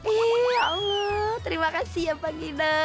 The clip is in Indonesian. ih ya allah terima kasih ya pak gino